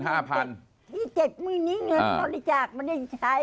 ๗๐๐๐นี้เงินบริจาคไม่ได้ใช้